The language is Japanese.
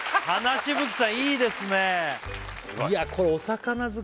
しぶきさんいいですねいや